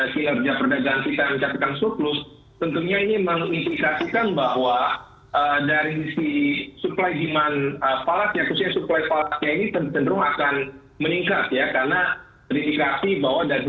salah satu penunjukannya ya ini yang masih